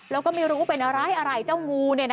แล้วก็ไม่รู้เป็นอะไรอะไรเจ้างู